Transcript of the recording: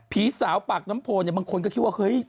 ผีสาวปากน้ำโพนึงบางคนก็คิดบ้างเห้ย